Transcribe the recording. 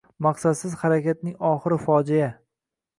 Maqsadsiz harakatning oxiri – fojea …